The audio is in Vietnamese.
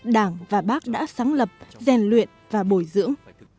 đảng và bác đã sáng lập rèn luyện và bồi dưỡng